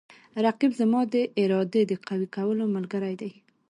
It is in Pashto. رقیب زما د ارادې د قوي کولو ملګری دی